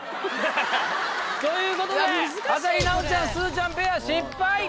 ということで朝日奈央ちゃん・すずちゃんペア失敗！